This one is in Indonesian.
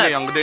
yang gede nih